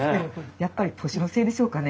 やっぱり年のせいでしょうかね